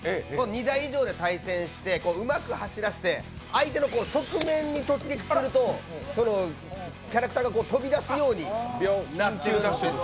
２台以上で対戦してうまく走らせて、相手の側面に突撃すると、キャラクターが飛び出すようになっているんですよ。